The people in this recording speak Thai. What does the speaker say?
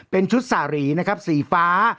เป็นชุดสารีนะครับสีฟ้า